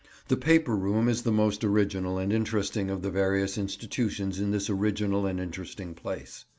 The paper room is the most original and interesting of the various institutions in this original and interesting place.